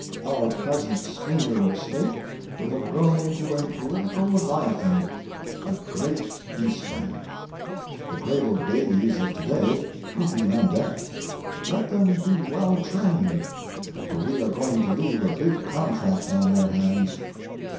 Our present schooner of State will have grown into a political leviathan—a Great Eastern. The cradled babies of to day will be on deck. Let them be well trained, for we are going to leave a big contract on their hands.